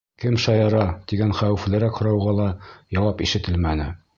«Кем шаяра?» тигән хәүефлерәк һорауға ла яуап ишетелмәне.